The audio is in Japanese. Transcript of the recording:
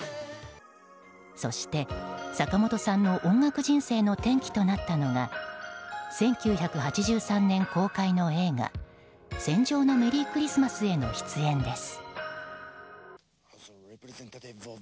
そして、坂本さんの音楽人生の転機となったのが１９８３年公開の映画「戦場のメリークリスマス」への出演です。